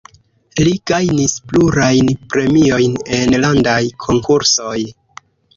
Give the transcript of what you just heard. Li gajnis plurajn premiojn en landaj konkursoj.